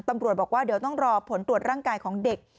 ตำรวจบอกว่าเดี๋ยวต้องรอผลตรวจร่างกายของเด็ก